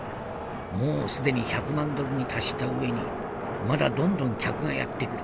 もう既に１００万ドルに達した上にまだどんどん客がやって来る。